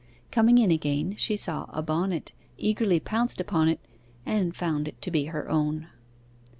Coming in again, she saw a bonnet, eagerly pounced upon it; and found it to be her own.